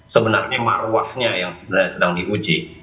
sebenarnya maruahnya yang sebenarnya sedang diuji